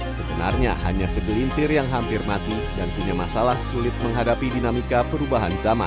sebenarnya hanya segelintir yang hampir mati dan punya masalah sulit menghadapi dinamika perubahan zaman